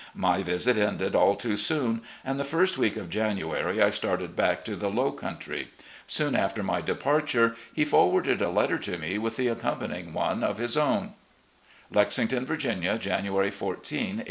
My visit ended all too soon, and the first week of January I started back to the "low country." Soon after my departure, he for warded a letter to me with the accompanying one of his own; "Lexington, Virginia, January 14, 1869.